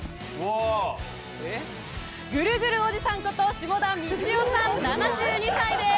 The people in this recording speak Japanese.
ぐるぐるおじさんこと、下田道雄さん７２歳です。